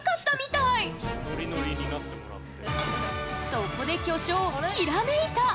そこで巨匠、ひらめいた。